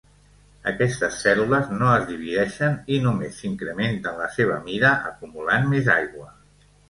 Aquestes cèl·lules no es divideixen i només incrementen la seva mida, acumulant més aigua.